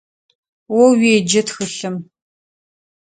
О уеджэ тхылъым.